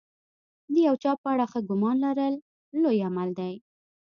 د یو چا په اړه ښه ګمان لرل لوی عمل دی.